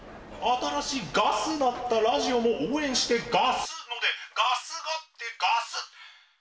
新しガスなったラジオも応援してガスのでガスがってガス」。